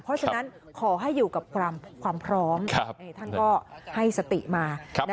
เพราะฉะนั้นขอให้อยู่กับความพร้อมท่านก็ให้สติมา